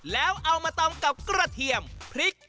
แล้วเอามาตำกับกระเทียมพริก